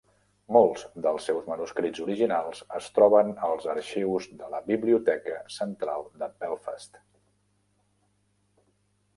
Molts dels seus manuscrits originals es troben als arxius de la Biblioteca central de Belfast.